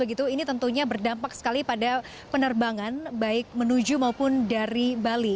ini tentunya berdampak sekali pada penerbangan baik menuju maupun dari bali